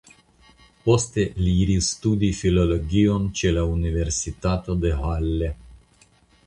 Poste li iris studi filologion ĉe la Universitato de Halle.